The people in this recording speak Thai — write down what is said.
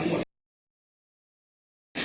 ไม่ครับ